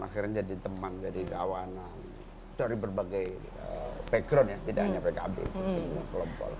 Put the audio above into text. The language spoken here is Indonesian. akhirnya jadi teman dari rawanan dari berbagai background ya tidak hanya pkb